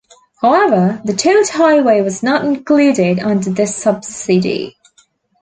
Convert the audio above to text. However, the Tote Highway was not included under this subsidy.